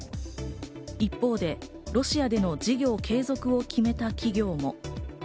一方でロシアでの事業継続を決めた企業も。